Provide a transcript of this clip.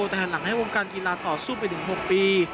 แต่หันหลังให้วงการกีฬาต่อสู้ไปถึง๖ปี